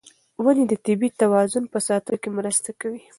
ونې د طبیعي توازن په ساتلو کې مرسته کوي.